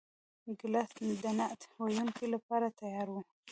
ګیلاس د نعت ویونکو لپاره تیار وي.